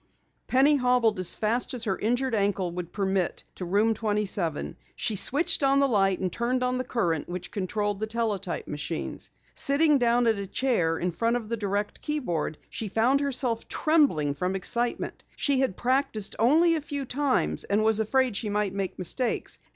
Penny hobbled as fast as her injured ankle would permit to Room 27. She switched on the light, and turned on the current which controlled the teletype machines. Sitting down at a chair in front of the direct keyboard, she found herself trembling from excitement. She had practiced only a few times and was afraid she might make mistakes.